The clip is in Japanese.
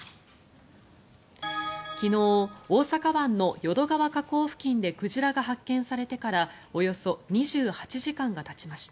昨日、大阪湾の淀川河口付近で鯨が発見されてからおよそ２８時間がたちました。